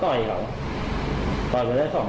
จำนวนหีดทั้ง